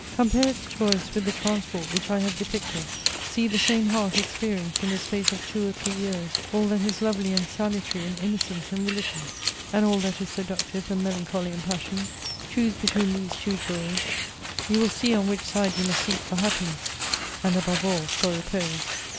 Compare its joys ivith the tmnsport which I have depicted ; see Uie same heart experi ence in the space of two or three years all that is lovdy and salutary in innocence and religion, and all that is seductive and melancholy in passion ; choose hetween these two joys ; you will see on which side you must seek for happiness, and, above all, for rqx>se.